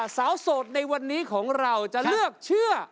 โสดในวันนี้ของเราจะเลือกเชื่อ